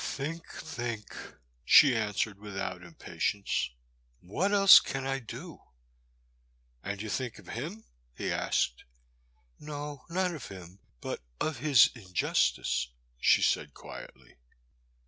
Think ! think !" she answered without impa tience, what else can I do ?" And you think of him ?" he asked. No, not of him, but of his injustice," she said quietly.